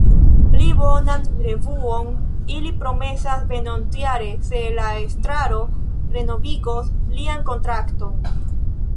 Pli bonan revuon li promesas venontjare, se la estraro renovigos lian kontrakton.